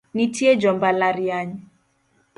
Nitie jo mbalariany